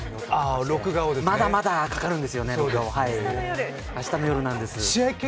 まだまだかかるんですよね、明日の夜なんです。